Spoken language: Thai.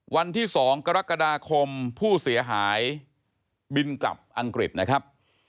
วันที่๒กรกฎาคมผู้เสียหายบินกลับอังกฤษนะครับ